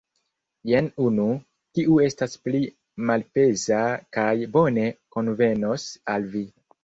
Jen unu, kiu estas pli malpeza kaj bone konvenos al vi.